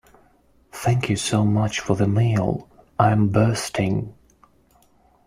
Thank you so much for the meal, I'm bursting!.